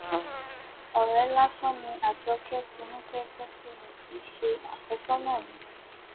Ọ̀rẹ́ lásán ni Àjọ́kẹ́ Tinúkẹ́ jẹ́ sí mi, kìí ṣe àfẹ́sọ́nà mi.